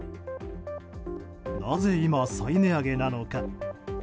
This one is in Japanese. なぜ今、再値上げなのか。